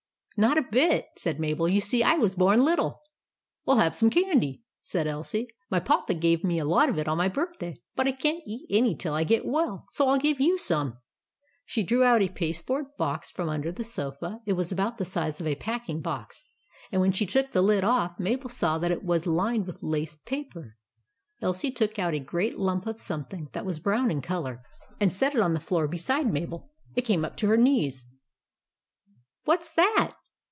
" Not a bit," said Mabel. " You see / was born little." "Well, have some candy," said Elsie. " My Papa gave me a lot of it on my birth day ; but I can't eat any till I get well, so I '11 give you some." She drew out a pasteboard box from 172 THE ADVENTURES OF MABEL under the sofa. It was about the size of a packing box ; and when she took the lid off, Mabel saw that it was lined with lace paper. Elsie took out a great lump of something that was brown in colour, and set it on the floor beside Mabel. It came up to her knees. "What's that?"